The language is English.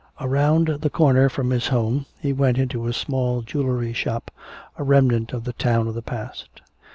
Around the corner from his home, he went into a small jewelry shop, a remnant of the town of the past.